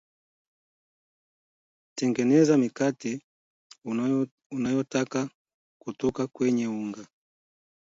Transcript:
tengeneze mikate unayotaka kutoka kwenye unga